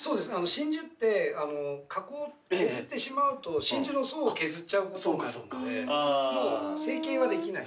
真珠って削ってしまうと真珠の層を削っちゃうことになるので成形はできない。